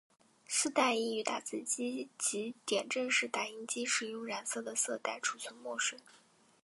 丝带亦于打字机及点阵式打印机使用染色的色带储存墨水。